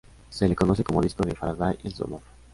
Se le conoce como disco de Faraday en su honor.